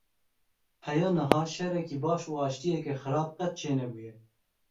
Heya niha şerekî baş û aştiyeke xerab qet çê nebûye.